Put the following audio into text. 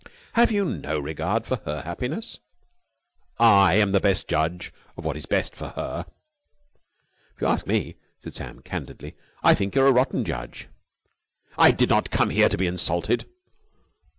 "Have you no regard for her happiness?" "I am the best judge of what is best for her." "If you ask me," said Sam candidly, "I think you're a rotten judge." "I did not come here to be insulted!"